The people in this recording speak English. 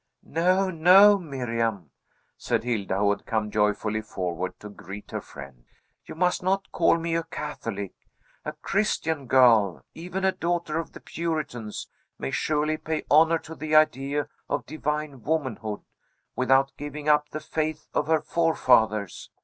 "No, no, Miriam!" said Hilda, who had come joyfully forward to greet her friend. "You must not call me a Catholic. A Christian girl even a daughter of the Puritans may surely pay honor to the idea of divine Womanhood, without giving up the faith of her forefathers.